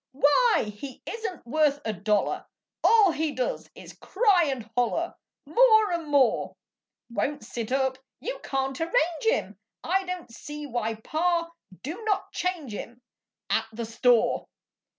Why, he isn't worth a dollar! All he does is cry and holler More and more; Won't sit up you can't arrange him, I don't see why Pa do'n't change him At the store.